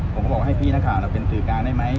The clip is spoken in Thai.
ผมก็บอกให้พี่นักข่าวเราเป็นสื่อการได้ไหม